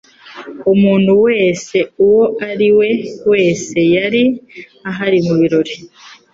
Umuntu wese uwo ari we wese yari ahari mu birori